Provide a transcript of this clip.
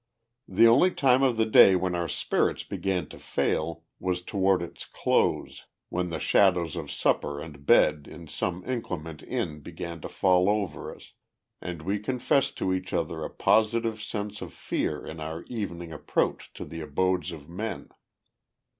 The only time of the day when our spirits began to fail was toward its close, when the shadows of supper and bed in some inclement inn began to fall over us, and we confessed to each other a positive sense of fear in our evening approach to the abodes of men.